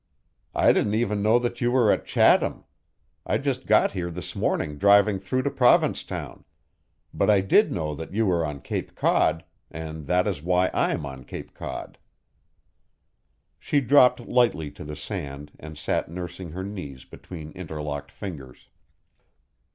"I didn't even know that you were at Chatham. I just got here this morning driving through to Provincetown. But I did know that you were on Cape Cod, and that is why I'm on Cape Cod." She dropped lightly to the sand and sat nursing her knees between interlocked fingers.